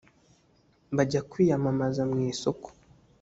bajya kwiyamamaza mu isoko